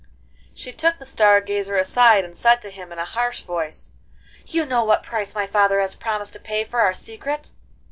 She took the Star Gazer aside, and said to him in a harsh voice: 'You know what price my father has promised to pay for our secret?